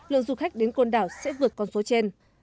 lượng du khách đến con đảo sẽ vượt con số trên